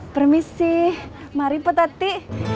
permisi mari petati